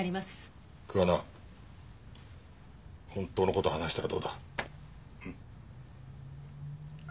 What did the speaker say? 桑名本当の事を話したらどうだ？